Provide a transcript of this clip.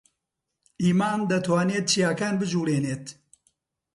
ئیمان دەتوانێت چیاکان بجوڵێنێت.